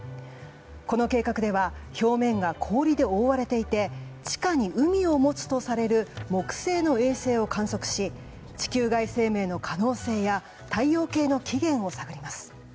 この計画では表面が氷で覆われていて地下に海を持つとされる木星の衛星を観測し地球外生命の可能性や太陽系の起源を探ります。